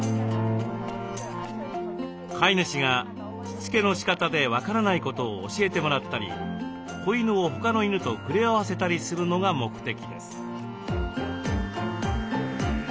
飼い主がしつけのしかたで分からないことを教えてもらったり子犬を他の犬と触れ合わせたりするのが目的です。